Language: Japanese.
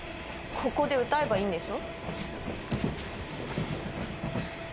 ここで歌えばいいんでしょ？